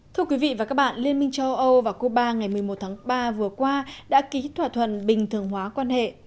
thưa quý vị và các bạn liên minh châu âu và cuba ngày một mươi một tháng ba vừa qua đã ký thỏa thuận bình thường hóa quan hệ